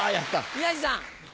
宮治さん。